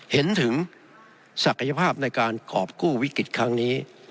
เห็นถึงศักยภาพในการกรอบกู้วิกฤตครั้งนี้